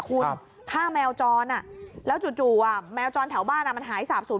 ฆ่าแมวจรแล้วจู่แมวจรแถวบ้านมันหายสาบสูญ